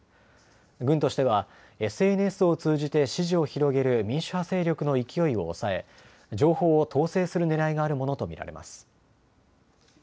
軍としてはＳＮＳを通じて支持を広げる民主派勢力の勢いを抑え情報を統制するねらいがあるものと見られます。